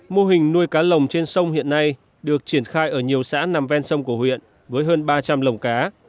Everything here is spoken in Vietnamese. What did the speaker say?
mô hình nuôi cá lồng trên sông hiện nay được triển khai ở nhiều xã nằm ven sông của huyện với hơn ba trăm linh lồng cá